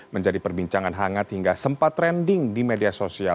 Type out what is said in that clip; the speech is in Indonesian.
menjadi perbincangan hangat hingga sempat trending di media sosial